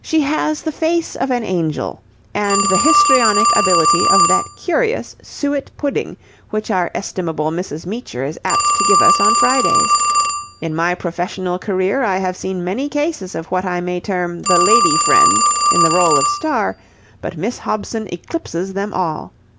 "She has the face of an angel and the histrionic ability of that curious suet pudding which our estimable Mrs. Meecher is apt to give us on Fridays. In my professional career I have seen many cases of what I may term the Lady Friend in the role of star, but Miss Hobson eclipses them all.